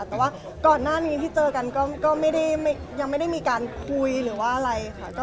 แต่ว่าก่อนหน้านี้ที่เจอกันก็ไม่ได้มีการคุยหรือว่าอะไรค่ะ